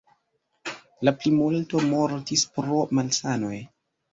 La plimulto mortis pro malsanoj.